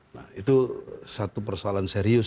nah itu satu persoalan serius